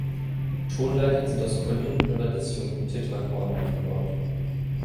Tonleitern sind aus konjunkten oder disjunkten Tetrachorden aufgebaut.